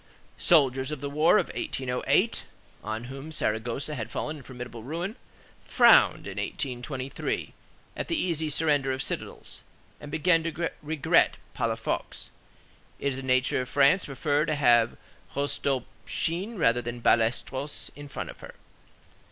Soldiers of the war of 1808, on whom Saragossa had fallen in formidable ruin, frowned in 1823 at the easy surrender of citadels, and began to regret Palafox. It is the nature of France to prefer to have Rostopchine rather than Ballesteros in front of her.